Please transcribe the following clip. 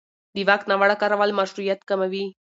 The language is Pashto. د واک ناوړه کارول مشروعیت کموي